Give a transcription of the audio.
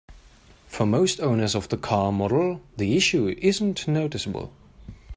For most owners of the car model, the issue isn't noticeable.